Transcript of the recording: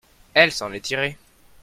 elle s'en est tirée.